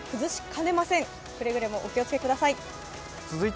くれぐれもお気を付けください。